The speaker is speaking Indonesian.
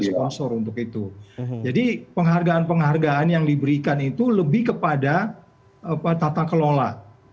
sponsor untuk itu jadi penghargaan penghargaan yang diberikan itu lebih kepada apa tata kelola